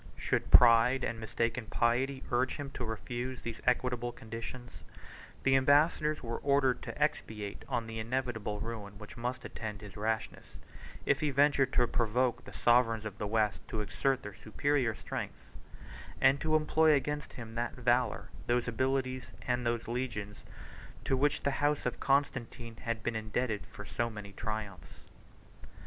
Should pride and mistaken piety urge him to refuse these equitable conditions, the ambassadors were ordered to expatiate on the inevitable ruin which must attend his rashness, if he ventured to provoke the sovereigns of the West to exert their superior strength; and to employ against him that valor, those abilities, and those legions, to which the house of Constantine had been indebted for so many triumphs.